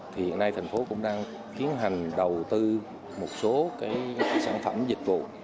thì hiện nay thành phố cũng đang tiến hành đầu tư một số cái sản phẩm dịch vụ